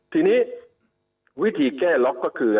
ทีนี้วิธีแก้ล็อกก็คือ